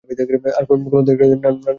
আর কুলপি এন্তের নানা আকারের।